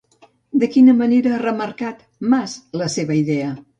De quina manera ha remarcat, Mas, la seva idea?